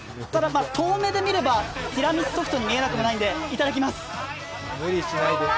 遠目で見れば、ティラミスソフトに見えなくもないんでいただきます。